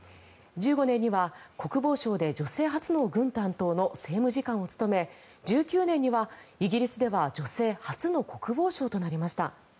１５年には国防省で女性初の軍担当の政務次官を務め１９年にはイギリスでは女性初の国防相となりました。